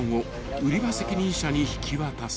売り場責任者に引き渡す］